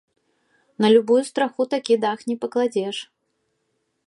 На любую страху такі дах не пакладзеш.